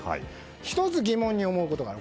１つ疑問に思うことがある。